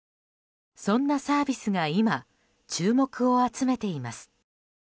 そんなサービスが今、注目を集めています。